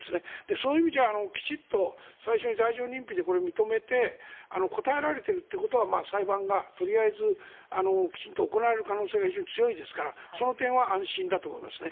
そういう意味じゃきちっと最初に罪状認否で認めて答えられてるということは裁判がとりあえずきちんと行われる可能性が非常に強いですからその点は安心だと思いますね。